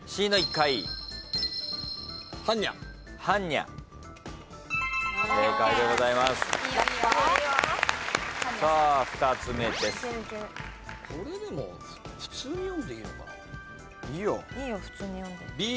・いいよ。